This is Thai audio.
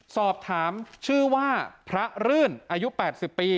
สอบถามชื่อว่าพระรื่นอายุ๘๐ปี